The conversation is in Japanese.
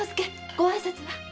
ご挨拶は？